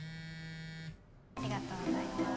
ありがとうございます